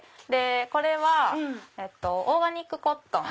これはオーガニックコットン。